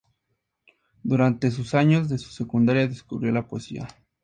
Durante sus años de su secundaria descubrió la poesía.